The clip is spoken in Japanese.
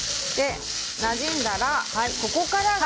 なじんだら、ここから。